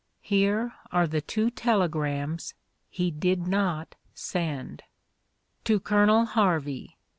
Here are the two telegrams he did not send : To Colonel Harvey.